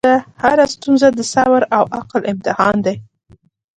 هره ستونزه د صبر او عقل امتحان دی.